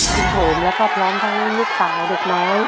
คุณโถมแล้วก็พร้อมทั้งลูกสาวเด็กน้อย